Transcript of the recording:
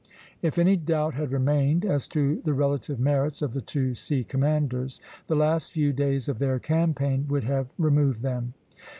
If any doubt had remained as to the relative merits of the two sea commanders, the last few days of their campaign would have removed them.